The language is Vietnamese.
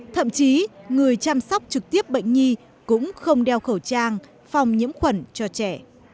thậm chí người chăm sóc trực tiếp bệnh nhi cũng không đeo khẩu trang phòng nhiễm khuẩn cho trẻ